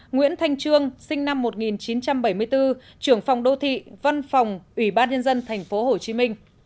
nguyễn thanh trương sinh năm một nghìn chín trăm bảy mươi bốn trưởng phòng đô thị văn phòng ủy ban nhân dân tp hcm